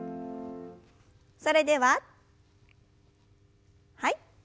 それでははい。